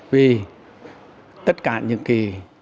vì tất cả những cái